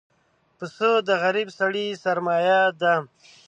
پسه د غریب سړي سرمایه ده.